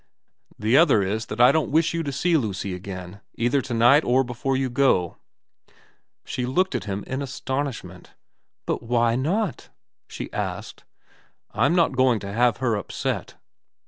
' The other is, that I don't wish you to see Lucy again, either to night or before you go.' She looked at him in astonishment. ' But why not ?' she asked. * I'm not going to have her upset.'